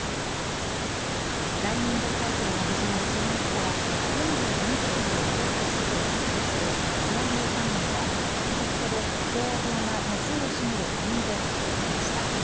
来年度会計が始まる１０月から４５日間の政府支出を確保するつなぎ予算案は先ほど共和党が多数を占める下院で可決されました。